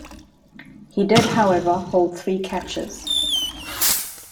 He did, however, hold three catches.